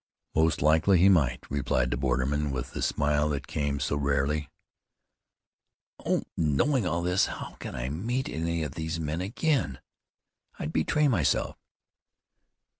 "Most likely he might," replied the borderman with the smile that came so rarely. "Oh! Knowing all this, how can I meet any of these men again? I'd betray myself."